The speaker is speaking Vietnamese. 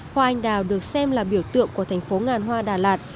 hoa anh đào được xem là biểu tượng của thành phố ngàn hoa đà lạt